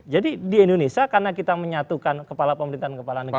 jadi di indonesia karena kita menyatukan kepala pemerintahan kepala negara